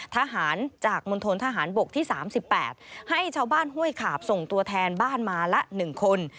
ทหารจากมณฑนทหารบกที่๓๘ให้ชาวบ้านห้วยขาบส่งตัวแทนบ้านมาละ๑คน